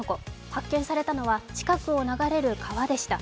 発見されたのは近くを流れる川でした。